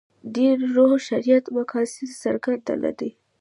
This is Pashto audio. دین روح شریعت مقاصد څرګند نه دي.